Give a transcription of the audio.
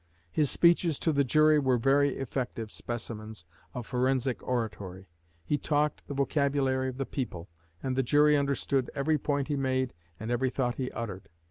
His speeches to the jury were very effective specimens of forensic oratory. He talked the vocabulary of the people, and the jury understood every point he made and every thought he uttered.